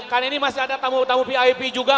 kan ini masih ada tamu tamu vip juga